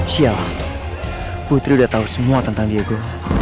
siap putri udah tau semua tentang diego